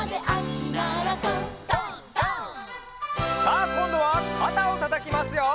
「」さあこんどはかたをたたきますよ！